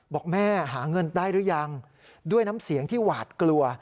บอกแม่หาเงินได้หรือยังด้วยน้ำเสียงที่หวาดกลัว